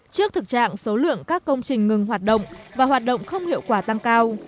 trước thực trạng số lượng các công trình ngừng hoạt động và hoạt động không hiệu quả tăng cao